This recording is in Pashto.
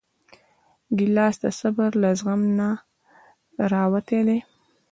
ګیلاس د صبر له زغم نه راوتی دی.